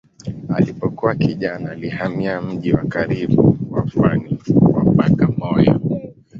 Alipokuwa kijana alihamia mji wa karibu wa pwani wa Bagamoyo.